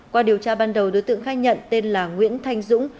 qua điều tra ban đầu đối tượng khai nhận tên là nguyễn thanh dũng